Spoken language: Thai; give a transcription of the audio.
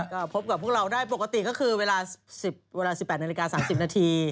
ก็พบกับพวกเราได้ปกติก็คือเวลา๑๘นาฬิกา๓๐นาที